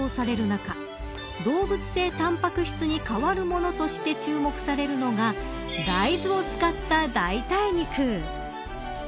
中動物性タンパク質に代わるものとして注目されるのが大豆を使った代替肉。